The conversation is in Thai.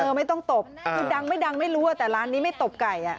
ไม่ต้องตบคือดังไม่ดังไม่รู้แต่ร้านนี้ไม่ตบไก่อ่ะ